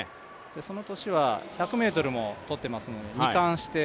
その年は１００ｍも取ってますので。